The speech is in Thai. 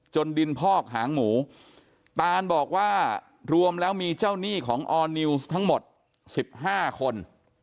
ดินพอกหางหมูตานบอกว่ารวมแล้วมีเจ้าหนี้ของออร์นิวส์ทั้งหมด๑๕คน